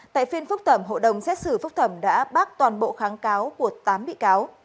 tại phiên phúc thẩm hộ đồng xét xử phúc thẩm đã bác toàn bộ kháng cáo của tám bị cáo